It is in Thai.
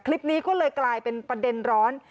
คลิปนี้ก็เลยกลายเป็นประเด็นร้อน